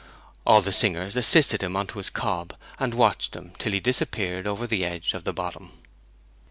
All the singers assisted him on to his cob, and watched him till he disappeared over the edge of the Bottom.